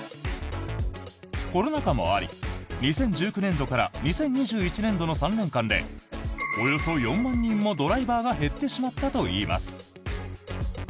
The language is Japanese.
コロナ禍もあり２０１９年度から２０２１年度の３年間でおよそ４万人もドライバーが減ってしまったといいます。